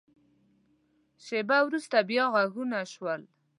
شیبه وروسته، بیا غږونه شول.